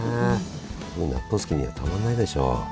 納豆好きにはたまんないでしょう。